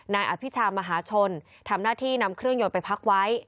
นายอภิชามหาชนทำหน้าที่นำเครื่องยนต์ไปพักไว้